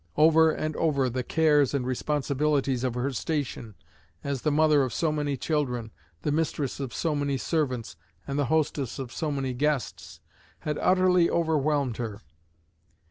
Over and over the cares and responsibilities of her station as the mother of so many children, the mistress of so many servants and the hostess of so many guests, had utterly overwhelmed her.